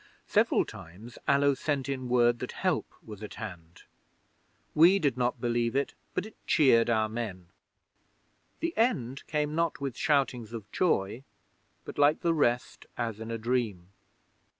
Several times Allo sent in word that help was at hand. We did not believe it, but it cheered our men. 'The end came not with shoutings of joy, but, like the rest, as in a dream.